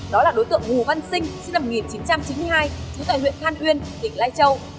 đó là đối tượng hồ văn sinh sinh năm một nghìn chín trăm chín mươi hai trú tại huyện than uyên tỉnh lai châu